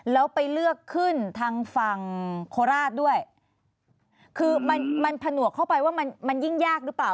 แล้วไปเลือกขึ้นทางฝั่งโคราชด้วยคือมันมันผนวกเข้าไปว่ามันมันยิ่งยากหรือเปล่า